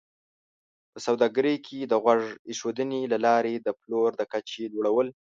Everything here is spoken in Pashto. په سوداګرۍ کې د غوږ ایښودنې له لارې د پلور د کچې لوړول